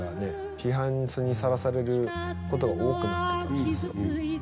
批判にさらされることが多くなってったんですよ